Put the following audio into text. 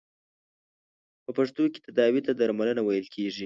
په پښتو کې تداوې ته درملنه ویل کیږی.